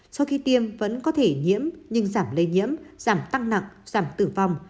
sau khi tiêm vẫn có thể nhiễm nhưng giảm lây nhiễm giảm tăng nặng giảm tử vong